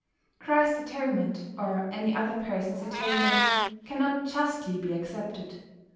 Christ's Atonement, or any other person's atonement, cannot justly be accepted.